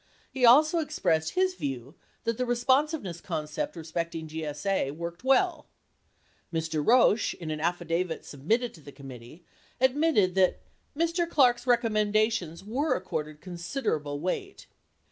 He also expressed his view that the responsiveness concept respecting GSA worked well. Mr. Roush, in an affidavit submitted to the committee, 99 admitted that "Mr. Clarke's recommendations were accorded considerable weight."